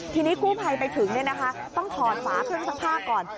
ทีนี้กู้ภัยไปถึงต้องถอดฝาเครื่องซักผ้าก่อน